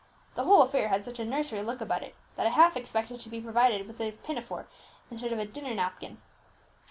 The whole affair had such a nursery look about it, that I half expected to be provided with a pinafore, instead of a dinner napkin."